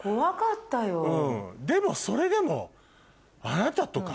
うんでもそれでも。